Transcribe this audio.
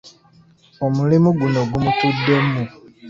Omulimu guno gumutuddemu.